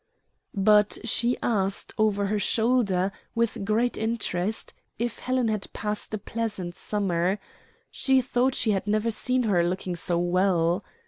But she asked over her shoulder, with great interest, if Helen had passed a pleasant summer. She thought she had never seen her looking so well.